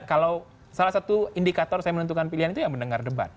kalau salah satu indikator saya menentukan pilihan itu ya mendengar debat